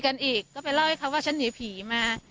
แล้วไปเล่าให้เขาว่าฉันหนีผีมา